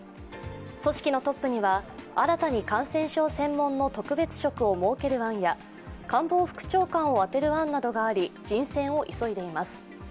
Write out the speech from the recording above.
組織のトップには新たに感染症専門の特別職を設ける案や官房副長官をあてる案などがあり人選を急いでいます。